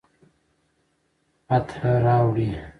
فتح راوړي